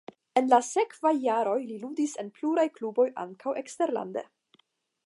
En la sekvaj jaroj li ludis en pluraj kluboj ankaŭ eksterlande.